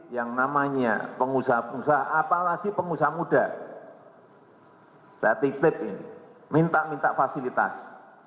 yang namanya pengusaha pengusaha apalagi pengusaha muda saya titip ini minta minta fasilitas